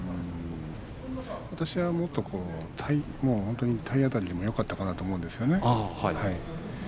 私はもっと本当に体当たりでもよかったかなと思うんですよね。